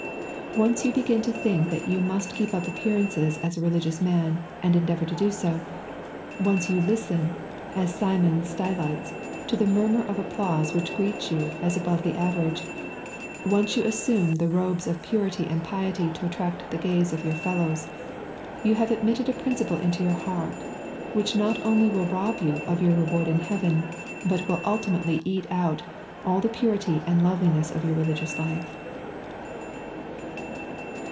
Once you h^a to think that you must keep up appearancea as a religious man, and endeavour to do so ; once you listen, as Simon Stylites, to the murmur of applause which greets you as above the average; once you assume the robes of purity and piety to attract the gaie of your fellows — you have admitted a principle into your heart which not only will rob you of your reword in heaven, but will ultimately eat out aS the purity and loveliness of your religious life.